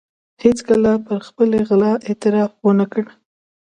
هېڅکله پر خپلې غلا اعتراف و نه کړ.